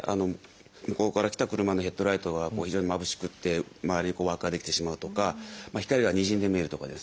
向こうから来た車のヘッドライトが非常にまぶしくて周りに輪っかが出来てしまうとか光がにじんで見えるとかですね